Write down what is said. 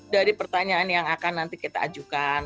dari pertanyaan yang akan nanti kita ajukan